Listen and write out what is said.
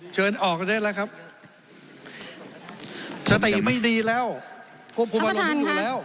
เชิญออกกันได้แล้วครับสติไม่ดีแล้วคุณประธานค่ะ